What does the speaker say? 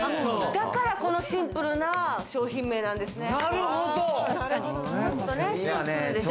だから、このシンプルな商品名なんですね。